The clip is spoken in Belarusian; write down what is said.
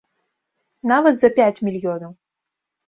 Нават за пяць мільёнаў.